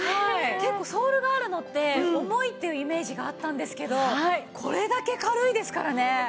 結構ソールがあるのって重いっていうイメージがあったんですけどこれだけ軽いですからね。